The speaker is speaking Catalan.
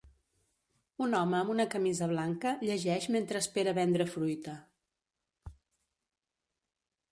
Un home amb una camisa blanca llegeix mentre espera vendre fruita.